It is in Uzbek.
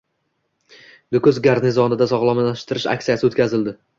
Nukus garnizonida sog‘lomlashtirish aksiyasi o‘tkazildi